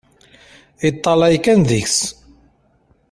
Yeṭṭalay kan deg-s.